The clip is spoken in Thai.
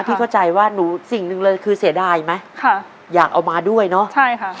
เข้าใจว่าหนูสิ่งหนึ่งเลยคือเสียดายไหมค่ะอยากเอามาด้วยเนอะใช่ค่ะ